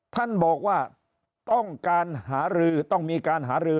ท่านบอกว่าต้องการหารือต้องมีการหารือ